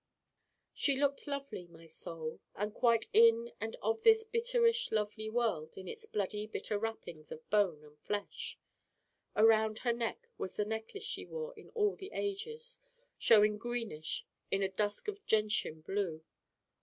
She looked lovely, my Soul and quite in and of this bitter ish lovely world in its bloody bitter wrappings of bone and flesh. Around her neck was the Necklace she wore in all the ages, showing greenish in a dusk of gentian blue.